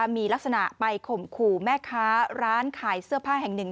มีลักษณะไปข่มขู่แม่ค้าร้านขายเสื้อผ้าแห่งหนึ่ง